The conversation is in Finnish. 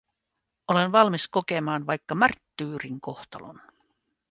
Olen valmis kokemaan vaikka marttyyrin kohtalon.